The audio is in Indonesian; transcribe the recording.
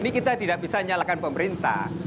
ini kita tidak bisa nyalakan pemerintah